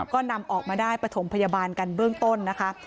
ก็นำออกมาได้ปฐมพยาบาลกันเบื้องต้นนะคะ